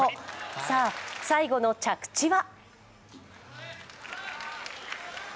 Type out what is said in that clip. さあ、最後の着地は？